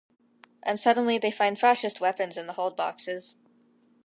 And suddenly they find fascist weapons in the hold boxes.